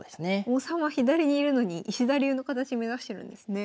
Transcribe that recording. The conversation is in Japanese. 王様左にいるのに石田流の形目指してるんですね。